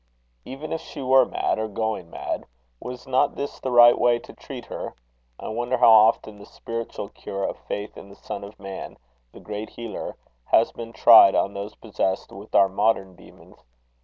Even if she were mad, or going mad, was not this the right way to treat her? I wonder how often the spiritual cure of faith in the Son of Man, the Great Healer, has been tried on those possessed with our modern demons.